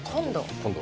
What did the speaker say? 今度？